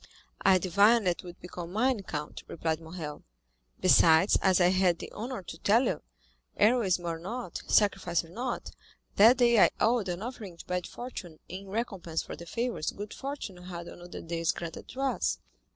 "I divined that you would become mine, count," replied Morrel; "besides, as I had the honor to tell you, heroism or not, sacrifice or not, that day I owed an offering to bad fortune in recompense for the favors good fortune had on other days granted to us."